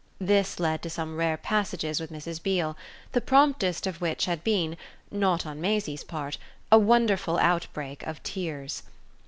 This led to some rare passages with Mrs. Beale, the promptest of which had been not on Maisie's part a wonderful outbreak of tears.